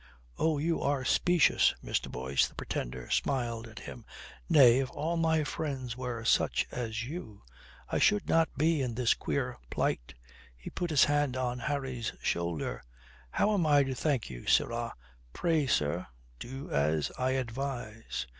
"Oh, you are specious, Mr. Boyce," the Pretender smiled at him. "Nay, if all my friends were such as you, I should not be in this queer plight." He put his hand on Harry's shoulder. "How am I to thank you, sirrah?" "Pray, sir, do as I advise."